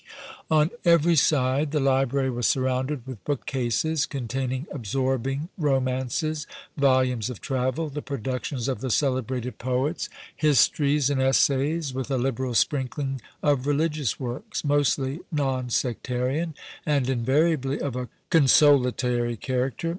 On every side the library was surrounded with book cases, containing absorbing romances, volumes of travel, the productions of the celebrated poets, histories and essays, with a liberal sprinkling of religious works, mostly non sectarian and invariably of a consolatory character.